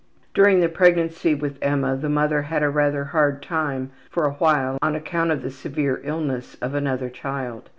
During the pregnancy with Emma the mother had a rather hard time for a while on account of the severe illness of another child.